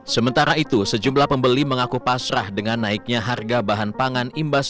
sementara itu sejumlah pembeli mengaku pasrah dengan naiknya harga bahan pangan imbas